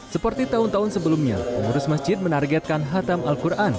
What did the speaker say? seperti tahun tahun sebelumnya pengurus masjid menargetkan hatam al quran